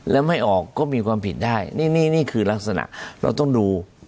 แล้วไม่ออกก็มีความผิดได้นี่นี่คือลักษณะเราต้องดู